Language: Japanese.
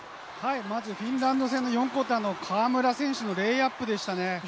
まずフィンランド戦の４クオーターの河村選手のレイアップでしたね。